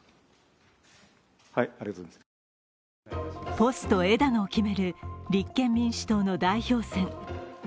ポスト枝野を決める立憲民主党の代表戦。